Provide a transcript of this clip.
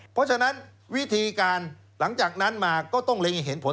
เพราะฉะนั้นวิธีการหลังจากนั้นมาก็ต้องเล็งเห็นผล